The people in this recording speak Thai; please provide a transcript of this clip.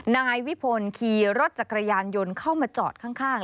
นายวิพลขี่รถจักรยานยนต์เข้ามาจอดข้าง